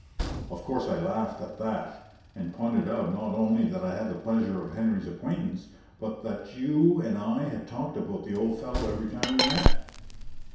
Of course I laughed at that, and pointed out not only that I had the pleasure of Henry's acquaintance, but that you and I had talked about the old fellow every time we met.